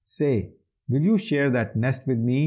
Say, will you share that nest with me?